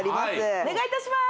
お願いいたします！